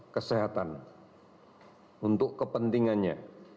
kesehatan untuk kepentingannya